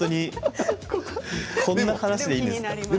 こんな話でいいんですか？